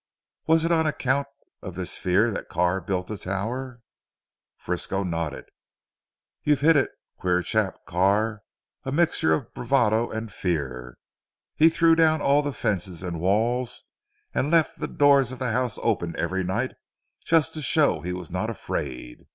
"Was it on account of this fear that Carr built the tower." Frisco nodded. "You've hit it. Queer chap Carr, a mixture of bravado and fear. He threw down all the fences and walls and left the doors of the house open every night just to show he was not afraid.